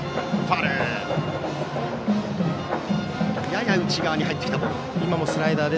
やや内側に入ってきたボール。